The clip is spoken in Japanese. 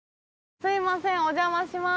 すいません失礼します。